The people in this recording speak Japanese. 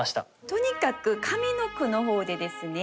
とにかく上の句の方でですね